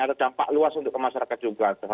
ada dampak luas untuk ke masyarakat juga